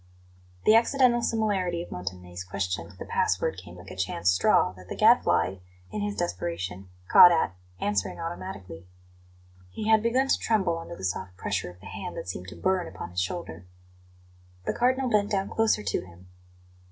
The accidental similarity of Montanelli's question to the password came like a chance straw, that the Gadfly, in his desperation, caught at, answering automatically. He had begun to tremble under the soft pressure of the hand that seemed to burn upon his shoulder. The Cardinal bent down closer to him.